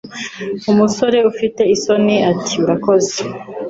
Umusore ufite isoni ati Urakoze